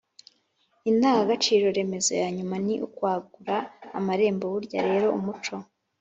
indangagaciro remezo ya nyuma ni «ukwagura amarembo». burya rero umuco